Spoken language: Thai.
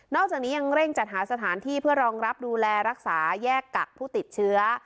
อกจากนี้ยังเร่งจัดหาสถานที่เพื่อรองรับดูแลรักษาแยกกักผู้ติดเชื้อ